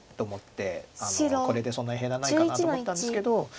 これでそんなに減らないかなと思ったんですけど